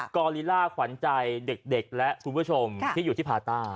อลิล่าขวัญใจเด็กและคุณผู้ชมที่อยู่ที่พาต้า